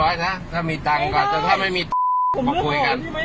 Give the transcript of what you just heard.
ว่ามันจะได้ปลดตังให้ผมผมเนี้ยมีอยู่แค่เนี้ย